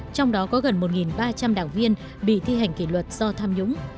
trong đó có gần một ba trăm linh đảng viên bị thi hành kỷ luật do tham nhũng